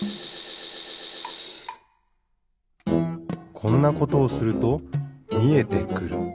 こんなことをするとみえてくる。